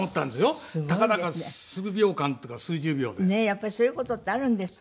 やっぱりそういう事ってあるんですね。